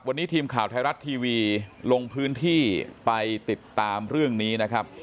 วันนี้ทีมข่าวไทยรัฐทีวีลงพื้นที่ไปติดตามเรื่องนี้นะครับ